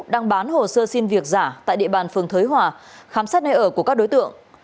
đang bán hồ sơ xin việc giả tại địa bàn phường thới hòa khám xét nơi ở của các đối tượng